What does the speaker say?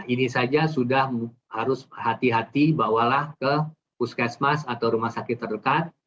ini saja sudah harus hati hati bawalah ke puskesmas atau rumah sakit terdekat